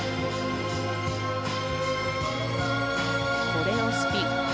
コレオスピン。